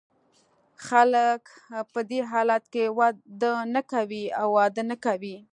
خلګ په دې حالت کې واده نه کوي او واده نه کوي.